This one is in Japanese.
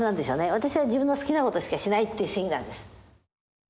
私は自分の好きなことしかしないっていう主義なんです。